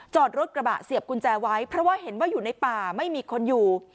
รถกระบะเสียบกุญแจไว้เพราะว่าเห็นว่าอยู่ในป่าไม่มีคนอยู่